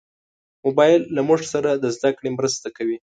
موبایل له موږ سره د زدهکړې مرسته کوي.